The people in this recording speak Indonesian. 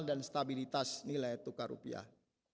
dan stabilitas nilai tukar rupiah